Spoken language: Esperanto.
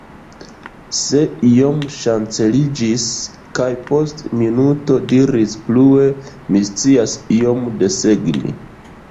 Ŝi iom ŝanceliĝis kaj post minuto diris plue: -- Mi scias iom desegni.